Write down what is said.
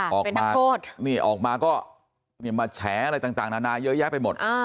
เป็นนักโทษออกมาก็แฉอะไรต่างนานาเยอะแยะไปหมด